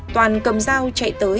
toàn cầm dao chạy tới